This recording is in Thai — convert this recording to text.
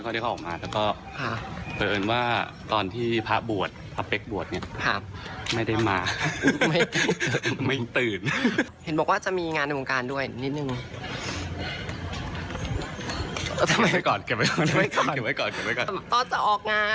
ก็ครั้งแรกครับสำหรับปีนี้ที่เอาออกมาทำบุญส่วนใหญ่ก็ไม่ค่อยได้เข้าออกมา